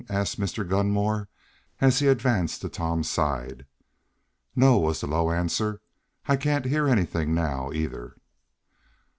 asked Mr. Gunmore as he advanced to Tom's side. "No," was the low answer. "I can't hear anything now, either."